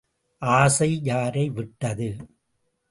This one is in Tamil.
ஆசை யாரை விட்டது!